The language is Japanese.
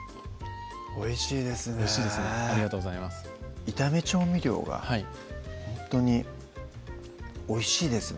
おいしいですねありがとうございます炒め調味料がほんとにおいしいですね